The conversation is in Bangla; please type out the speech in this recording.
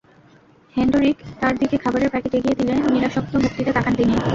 হেন্ডরিক তাঁর দিকে খাবারের প্যাকেট এগিয়ে দিলে নিরাসক্ত ভঙ্গিতে তাকান তিনি।